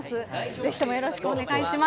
ぜひともよろしくお願いします。